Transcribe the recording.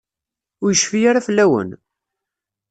Ur yecfi ara fell-awen?